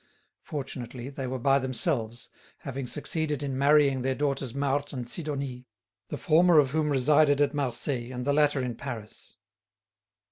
Fortunately, they were by themselves, having succeeded in marrying their daughters Marthe and Sidonie, the former of whom resided at Marseilles and the latter in Paris.